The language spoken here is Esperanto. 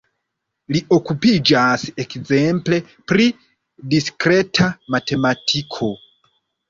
Li okupiĝas ekzemple pri diskreta matematiko.